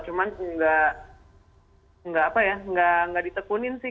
cuman nggak apa ya nggak ditekunin sih